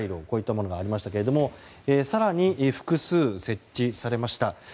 こういったものがありましたが更に複数設置されました。